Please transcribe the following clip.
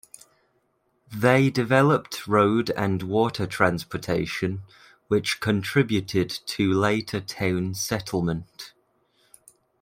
They developed road and water transportation which contributed to later town settlement.